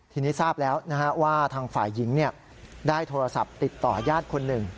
ทีนี้ทราบแล้วว่าทางฝ่ายหญิงได้โทรศัพท์ติดต่อยาดคนหนึ่ง